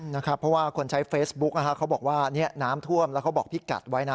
เพราะว่าคนใช้เฟซบุ๊กเขาบอกว่าน้ำท่วมแล้วเขาบอกพี่กัดไว้นะ